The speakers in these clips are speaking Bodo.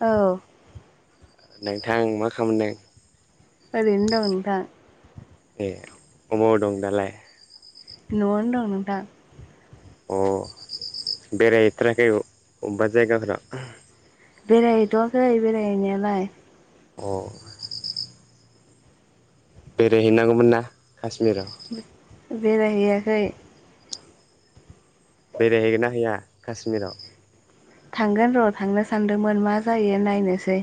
औ नोंथां मा खामदों? ओरैनो दं नोंथां। ए अबाव दं दालाय? न' आवनो दं‌ नोंथां। अ बेरायहैथ्राराखै अबेबा जायगाफोराव? बेरायहैथ'वाखै बेरायहैनायालाय अ बेरायहैनांगौमोन ना काास्मिराव बेरायहैयाखै बेरायहैगोन ना हैया काश्मिराव थांगोन र' थांनो सानदोंमोन मा जायो नायनोसै।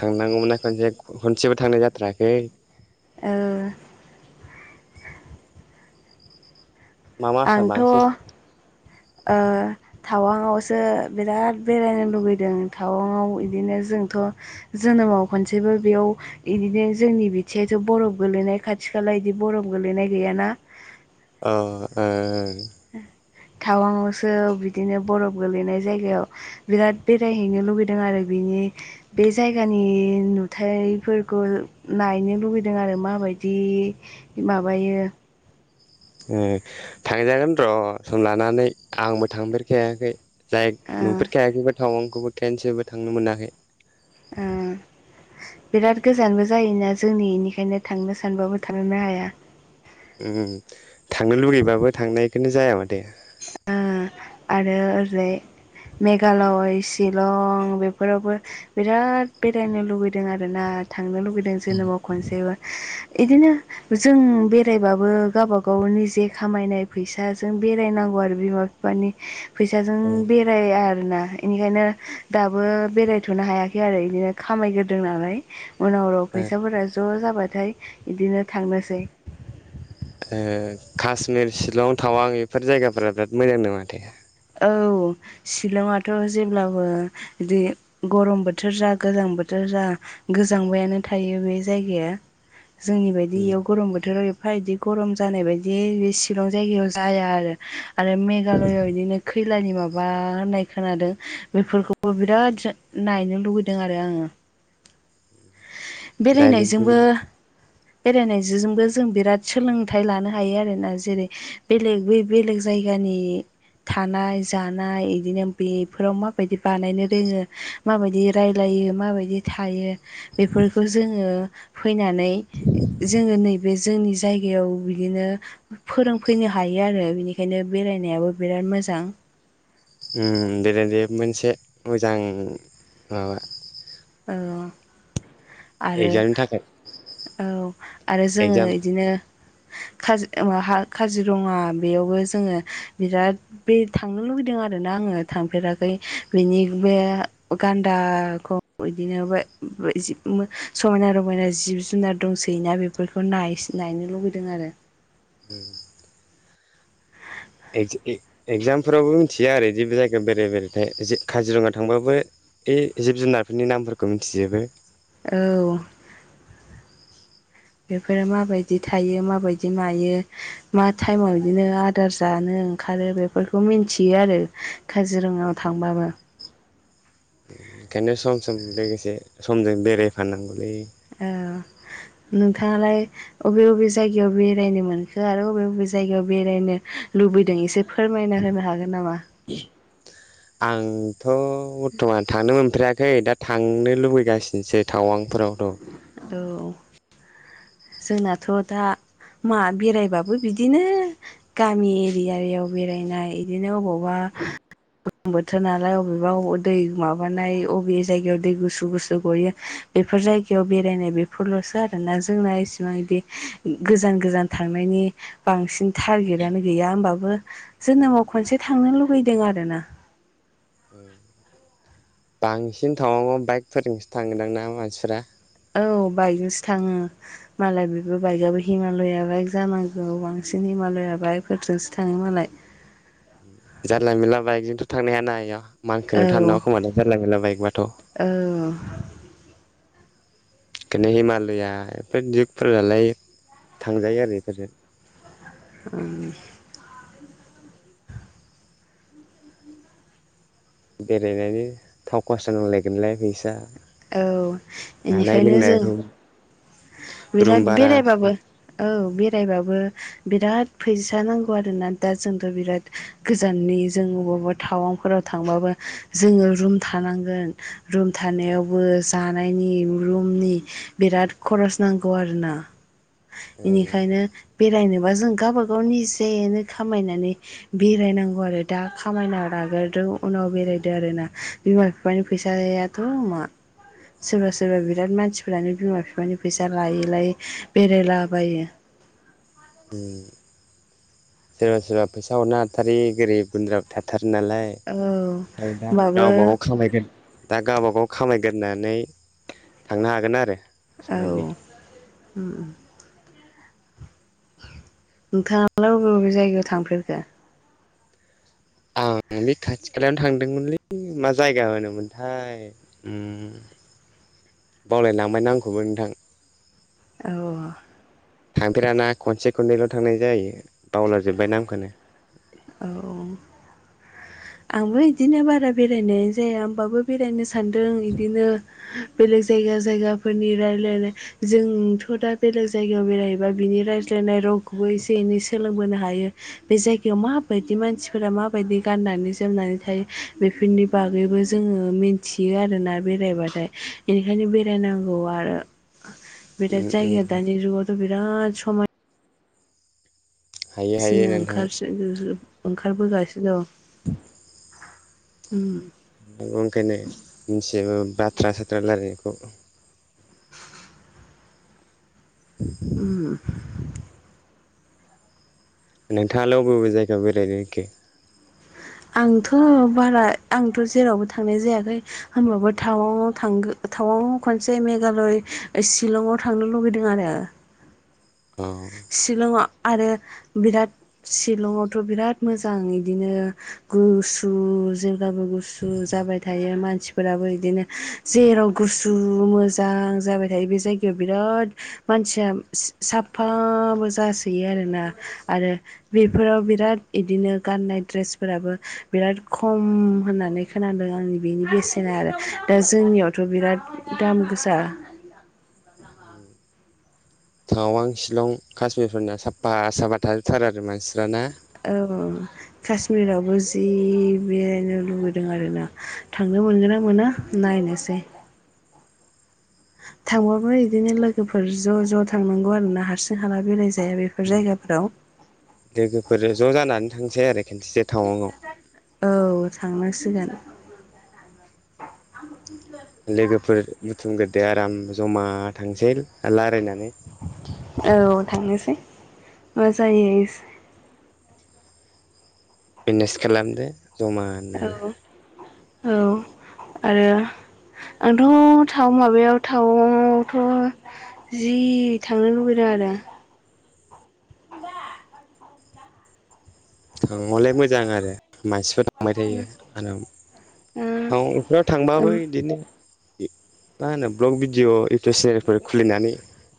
थांनांगौमोनना खनसे खनसेबो थांनाय जाथराखै। ओ मा मासा आंथ' बांसिन ओ थावांआवसो बिराद बेरायनो लुगैदों थावांआव इदिनो जोंथ' जोनोमाव खनसेबो बेयाव इदिनो जोंनि बिथियायथ' बरफ गोलैनाय खाथि-खाला बिदि बरफ गोलैनाय गैयाना? अ औ ओ [inaudible] थावांआवसो बिदिनो बरफ गोलैनाय जायगायाव बिराद बेरायहैनो लुुबैदों आरो बि बे जायगानि नुथायफोरखौ नायनो लुुबैदों आरो माबायदि? दि माबायो? ओ थांजागोन र' सम लानानै आंबो थांफेरखायाखै। जाय ओ नुफेरखायाखैबो थावांखौबो खेनसेबो थांनो मोनाखै। ओ बिराद गोजानबो जायोना जोंनि इनिखायनो थांनो सानबाबो थांनो हाया। ओम थांनो लुगैबाबो थांनायखोनो जाया माथो। ओ आरो ओरैजाय मेघालय, शिलं बेफोरावबो बिराद बेरायनो लुुबैदों आरोना। थांनो लुगैदों जोनोमाव खनसेबो इदिनो जों बेरायबाबो गावबा गाव निजे खामायनाय फैसा जों बेरायनां आरो बिमा-फिफानि फैसाजों ओ बेराय आ आरोोना बेनिखायनो दाबो बेरायथ'नो हायाखै आरो बिदिनो खामायग्रोदों नालाय। उनाव राव ओ फैसाफोरा ज' जाबाथाय बिदिनो थांनोसै। ओ काश्मिर, शिलं, टावां इफोर जायगाफोरा बिराद मोजां नो माथो औ शिलंआथ' जेब्लाबो बि गरम बोथोर जा गोजां बोथोर जा गोजांबायानो थायो बे जायगाया जोंनि बायदि इयाव गरम बोथोराव फ्राय इदि गरम जानाय बायदि बे शिलं जायगायाव जाया आरो आरो मेघालयाव इदिनो [unintelligible] माबा होननाय खोनादों बेफोरखौबो बिराद नायनो लुबैदों आरो आङो बेरायनायजोंबो बेरायनायजोंजोंबो जों बिराद सोलोंथाइ लानो हायो आरोना जेरै बेलेग बै बेलेग जायगानि थानाय जानाय इदिनो बेफोराव माबायदि बानायनो रोङो माबायदि रायलायो माबायदि थायो बेफोरखौ जोङो फैनानै जोङो नैबे जोंनि जायगायाव बिदिनो फोरोंफैनो हायो आरो बेनिखायनो बेरायनायाबो बिराद मोजां उम [unintelligible] मोनसे मोजां माबा औ इकजामनि थाखाय औ आरो जोङो एगजाम बिदिनो काजिरङा बेयावबो जोङो बिराद बे थांनो लुुबैदों आरो आरोना आङो थांफेराखै बिनि बे गानदाखौ बिदिनो बे समायना रमायना जिब जुनार दंसोयोना बेफोरखौ नाय नायनो लुबैदों आरो उम एगजामफोरावबो मिथिया आरो जदिबो [unintelligible] जायगायाव बेरायै बेरायै थायो [unintelligible] काजिरङा थांबाबो जिब जुनारफोरनि नामफोरखौ मिथिजोबो औ बेफोरो माबायदि थायो माबायदि मायो मा टाइमाव बिदिनो आदार जानो ओंखारो बेफोरखौ मिथियो आरो काजिरङायाव थांबाबो ओंखायनो सम सम लोगोसे समजों बेरायफानांगौलै [unintelligible] नोंथाङालाय अबे अबे जायगायाव बेरायनो मोनखो आरो अबे अबे जायगायाव बेरायनो लु- बैदों एसे फोरमायना होनो हागोन नामा? थ' बर्थ'मान थांनो मोनफेराखै दा थांनो लुबैगासिनोसै टावांफोरावथ' औ जोंनाथ' दा मा बेरायबाबो बिदिनो गामि एरियायाव बेरायनाय बिदिनो अबावबा [unintelligible] गोलोम बोथोर नालाय अबेबा दै माबानाय अबे जायगायाव दै गुसु गुसु गयो बेफोर जाय बेरायनाय बेफोरल'सो आरोना जोंना इसिबां बिदि गोजान गोजान थांनायनि बांसिन टारगेटनो गैया होमबाबो जोनोमाव खनसे थांनो लुुबैदों आरोना ओम बांसिन थाववांयाव बाइकफोरजोंसो थांगोनदां ना मानसिफोरा? औ बाइकजोंसो थाङो मालाय बेबो बाइकयाबो हिमालया बाइक जानांगौ बांसिन हिमालया बाइकफोरजोंसो थाङो मालाय जानला मोनला बाइक जोंथ' थांनाय हाया ना इयाव मानखोनो थान औ न' खोमानो जारला मोनोनला बाइकबाथ' औ बेखायनो हिमालया बेफोर दिउकफोरालाय थांजायो आरो बेफोरजों ओम बेरायनायनि थाव खरसा नांलायगोनलाय फैसा औ जानाय बेनिखायनो लोंनाय जों रुम रुम बिराद भारा बेरायबाबो औ बेराय बेरायबाबो बिराद फैसा नांगौ आरोना दा जोंथ' बिराद गोजाननि जों अबाव थाउवांफोराव थांब्लाबो जों रुम थानांगोन रुम थानायावबो बो जानायनि रुमनि बिराद खरस नांगौ आरोना ओ बेनिखायनो बेरायनोबा जों गावब गाव निजायैनो खामायनानै बेरायनांगौ आरो दा खामायना नागारदों उनाव बेरायदों आरोना बिमा बिफानि फैसायाथ' मा सोरबा सोरबा बिराद मानसिफोरानो बिमा बिफानि फैसा लायै लायै बेरायलाबायो [inaudible] सोरबा सोरबा फैसा हरनो हाथारै गोरिब गुनद्राबो थाथारो नालाय औ ओमफ्राय दा होमबाबो गावबा गाव खामगोन दा गावबा गाव खामायगोन गोरनानै थांनो हागोन आरो औ समबायदि ओम नोंथाङालाय बबे बबे जायगायाव थांफेरखो? [inaudible] आं बे खाथि खालायावनो थांदोंमोनलै मा जायगा होनोमोनथाय [inaudible] बावलायलांबाय आंखौबो नोंथां औ थांफेराना खनसे खननैल' थांनाय जायो बावलारजोबबाय नामखौनो औ आंबो बिदिनो बारा बेरायनाय जाया होमबाबो बेरायनो सानदों इदिनो बेलेग जायगा जायगाफोरनि रायजलायनाय जोंथ' दा बेलेग जायगायाव बेरायहबा बिनि रायाय फरायनाय रावखौबो एसे एनै सोलोंबोनो हायो बे जायगायाव मा बायदि मानसिफोरा माबायदि गाननानै जोमनानै थायो बेफोरनि बागैबो जोङो मिथियो आरोना बेरायबाथाय बेनिखायनो बेरायनांगौ आरो बिराद उम उम जायगा दानि जुगावथ' बिराद समाय हायो हायो बिसोरनो नोंथां ओंखार ओंखारबोगासिनो दं उम ओंखायनो मिथियो बाथ्रा साथ्रा रायलायनायखौ उ नोंथाङा ले बबे जायगा बेरायनो आरोखि [inaudible] आंथ' बारा आंथ' जेरावबो थांनाय जायाखै होनबाब उनाव थांनांगोन बां खनसे मेघालय शिलंआव थांनो लुगैदों आरो अ शिलंङआ आरो बिराद शिलंआवथ' बिराद मोजां बिदिनो गुसु जेबो गुसु जाबाय थायो मानसिफोराबो बिदिनो जेराव गुसु मोजां मोजां जाबाय थायो बे जायगायाव बिराद मानसिया साफा जासोयो आरोना आरो बेफोराव बिराद इदिनो गाननाय द्रेसफोराबो बिराद खम होननानै खोनादों आंनि बेनि बेसेना आरो दा जोंनियावथ' बिराद दाम गोसा थाङाव आं शिलं काश्मीिरफोरनि साफा साफा थार आरो मानसि औ काश्मिरावबो जि बेरायनो लुबैदों आरो ना थांनो मोनगोन ना मोना नायनो बेनोसै आ थांबाबो बिदिनो लोगोफोर ज' ज' थांनांगौ आरो ना हारसिं हाला बेराय जाया बेफोर जायगाफोराव लोगोफोर ज' जानानै थांसै आरो खनसेसे टाउनआव औ थांनांसिगोन लोगोफोर बुथुमग्रदो आराम जमा थांसै रायलायनानै औ थांनोसै मा जायो बिजनेस खालामदो जमा होननानै औ औ आरो आंथ' थाव माबायाव थावआवथ' जि थांनो लुबैदों आरो थांलाय मोजां आरो मानसिफोरा थांबाय थायो आरो ओ टाउनफ्राव थांबाबो ओम बिदिनो मा होनो ब्लग भिडिअ इउटुब चेनेलफोर खुलिनानै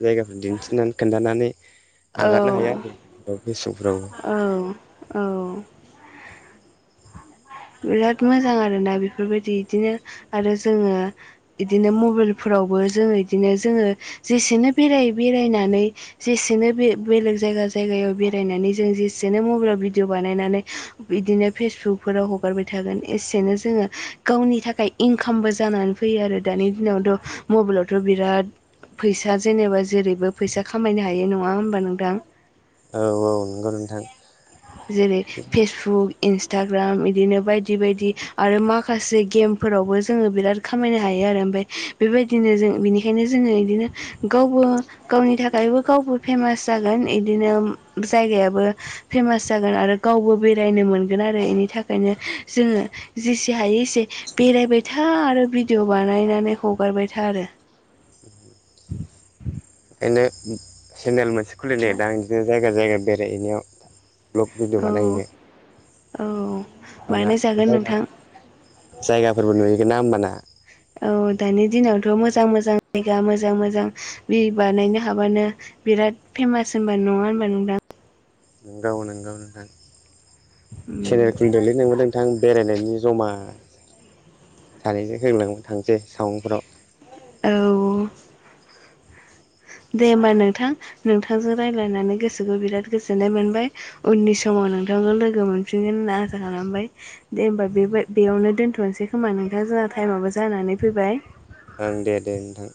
जायगाफोर दिन्थिनानै खोन्थानानै हगारनो हाया आरो मसौ औ औ बिराद मोजां आरोना बेफोरबायदि इदिनो आरो जोङो इदिनो मबाइलफोराव बो जो बिदिनो जोङो जेसेनो बे बेरायनानै जसेनो बेले बेजे जा जायगायाव बेरायनानै जों जेसेनो मबाइलाव भिदिअ बानायनानै बिदिनो फेसबुकफोराव ह हगारबाय थागोन एसेनो जोङो गावनि थाखाय इनकामबो जानानै फैयो आरो दानि दिनावथ' मबाइलावथ' बिराद फैसा जेनेबा जेरैबो फैसा खामायनो हायो नङा होमबा नोंथां औ औ नंगौ नोंथां जेरै फेसबुक इन्स टाग्राम बिदिनो बायदि बायदि आरो माखासे गेमफोरावबो जोङो बिराद खामायनो हायो आरो बाय बेबायदिनो जों बिनिखायनो जोङो इदिनो गावबो गावनि थाखायबो गावबो फेमा मास जागोन इदिनो जायगायाबो फेमास जागोन आरो गावबो बेरायनो मोनगोन आरो इनि थाखायनो जोङो जेसे हायो एसे‌ बे बेरायबायथा आरो भिडिअ बानायनानै हगारबाय था आरो [inaudible] ओंखायनो सेनेल मोनसे मा खुलिनोदां इदिनो जायगा जायगा बेरायहैनायाव भ्लग भिडिअ औ बानायहैनो औ माना बानायजागोन जायगा नोंथां जायगाफोरबो नुहैगोन ना होमबाना औ दानि दिनावथ' मोजां मोजां जायगा मोजां मोजां बि बानायनो हाबानो बिराद फेमास होनबा नङा होनबा नोंथां नोंगौ नोंगौ नोंथां सेनेल खुलिदोलै नोंबा नोंथां बेरायनायनि जमा सानैजों होलां थांसै थावांफोराव औ दे होमबा नोंथां नोंथांजों रायज्लायनानै गोसोखौ बिराद गोजोननाय मोनबाय उननि समाव नोंथांखौ लोगो मोनफिनगोन होनना आसा खालामबाय दे होमबा बे बाय बेयावनो दोनथ'नोसै होमबा नोंथां जाहा टाइमाबो जानानै फैबाय ओं दे दे नोंथां